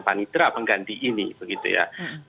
panitra pengganti ini begitu ya